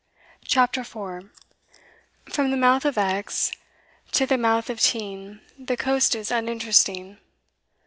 CHAPTER 4 From the mouth of Exe to the mouth of Teign the coast is uninteresting.